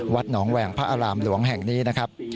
วัดหนองแหว่งพระอารามหลวงเลยครับ